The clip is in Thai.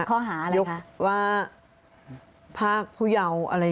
ก็คลิปออกมาแบบนี้เลยว่ามีอาวุธปืนแน่นอน